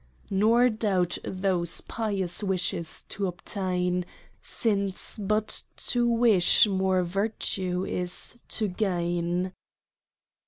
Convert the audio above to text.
Nor doubt those pious Wishes to obtain ; Since but to wis/i more Virtue, is to gain.